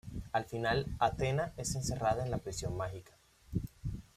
Al final "Athena" es encerrada en la prisión mágica.